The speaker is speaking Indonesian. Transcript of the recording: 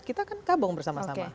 kita kan kabung bersama sama